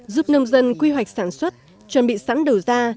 giúp nông dân quy hoạch sản xuất chuẩn bị sẵn đầu ra